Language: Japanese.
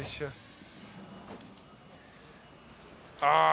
あ